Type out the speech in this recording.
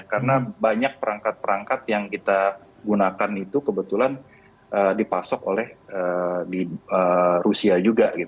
karena banyak perangkat perangkat yang kita gunakan itu kebetulan dipasok oleh rusia juga